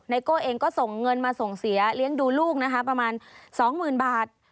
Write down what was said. โก้เองก็ส่งเงินมาส่งเสียเลี้ยงดูลูกนะคะประมาณ๒๐๐๐บาท